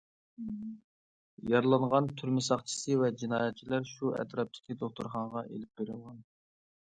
يارىلانغان تۈرمە ساقچىسى ۋە جىنايەتچىلەر شۇ ئەتراپتىكى دوختۇرخانىغا ئېلىپ بېرىلغان.